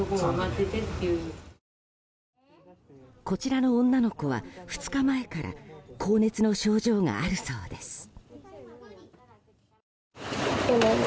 こちらの女の子は、２日前から高熱の症状があるそうです。